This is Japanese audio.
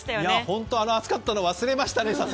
本当に暑かったのを忘れましたね。